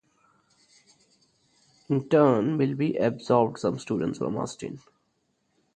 In turn Milby absorbed some students from Austin.